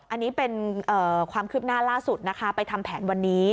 อันนี้เป็นความคืบหน้าล่าสุดนะคะไปทำแผนวันนี้